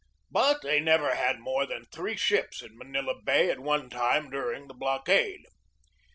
But they never had more than three ships in Manila Bay at one time during the blockade.